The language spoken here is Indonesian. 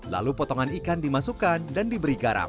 lalu potongan ikan dimasukkan dan diberi garam